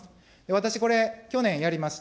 私これ、去年やりました。